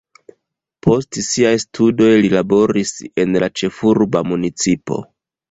Post siaj studoj li laboris en la ĉefurba municipo.